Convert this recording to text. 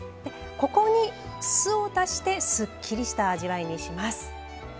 ここに酢を足してすっきりした味わいにします。